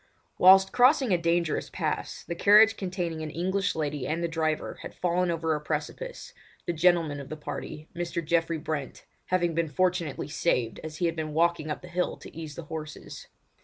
Whilst crossing a dangerous pass the carriage containing an English lady and the driver had fallen over a precipice, the gentleman of the party, Mr. Geoffrey Brent, having been fortunately saved as he had been walking up the hill to ease the horses.